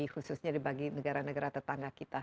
khususnya di bagian negara negara tetangga kita